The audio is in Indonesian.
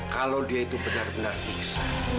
kalau dia itu benar benar bisa